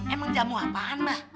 emang jamu apaan mba